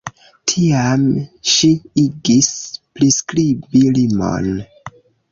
Tiam ŝi igis priskribi limon.